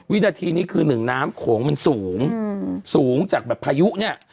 วินาทีนี้คือหนึ่งน้ำโขงมันสูงสูงจากแบบพายุเนี่ย